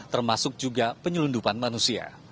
termasuk juga penyelundupan manusia